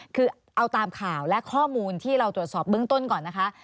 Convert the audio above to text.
คือเอาตามข่าวและข้อมูลที่เราตรวจสอบเบื้องต้นก่อนนะคะ